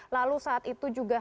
lalu saat itu juga